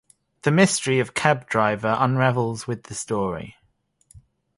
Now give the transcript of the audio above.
The mystery of cab driver unravels with the story.